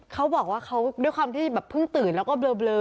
เขาบอกว่าเพิ่งตื่นแล้วก็เบลอ